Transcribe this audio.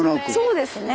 そうですね。